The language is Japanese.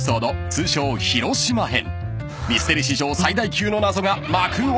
通称広島編］